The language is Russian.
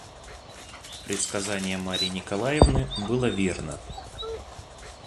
Предсказание Марьи Николаевны было верно.